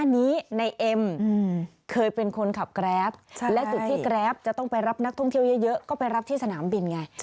ไม่แกร๊บจะต้องไปรับนักท่องเที่ยวเยอะก็ไปรับที่สนามบินไง